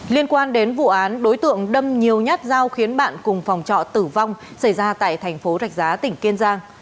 liên quan đến vụ án đối tượng đâm nhiều nhát dao khiến bạn cùng phòng trọ tử vong xảy ra tại thành phố rạch giá tỉnh kiên giang